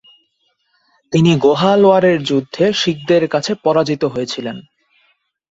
তিনি গোহালওয়ারের যুদ্ধে শিখদের কাছে পরাজিত হয়েছিলেন।